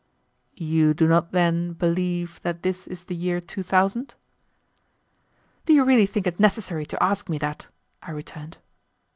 "You do not, then, believe that this is the year 2000?" "Do you really think it necessary to ask me that?" I returned.